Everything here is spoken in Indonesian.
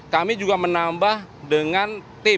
kami juga menambah dengan tim